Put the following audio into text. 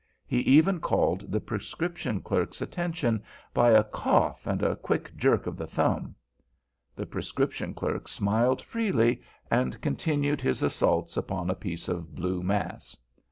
He even called the prescription clerk's attention by a cough and a quick jerk of the thumb. The prescription clerk smiled freely, and continued his assaults upon a piece of blue mass.